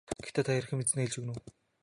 Гэхдээ та хэрхэн мэдсэнээ хэлж өгнө үү.